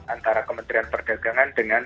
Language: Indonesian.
antara kementerian perdagangan dengan